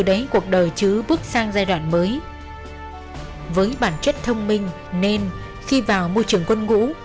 đấy cuộc đời chứ bước sang giai đoạn mới với bản chất thông minh nên khi vào môi trường quân ngũ